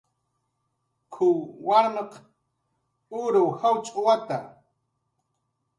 "K""uw warmq uruw jawchwata "